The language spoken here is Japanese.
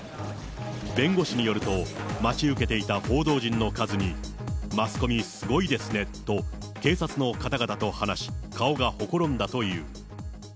弁護士によると、待ち受けていた報道陣の数に、マスコミすごいですねと、警察の方々と話し、顔がほころんだという。